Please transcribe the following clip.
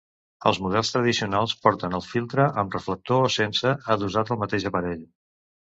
Els models tradicionals porten el filtre, amb reflector o sense, adossat al mateix aparell.